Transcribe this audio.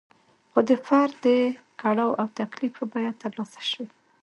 خو د فرد د کړاو او تکلیف په بیه ترلاسه شوې.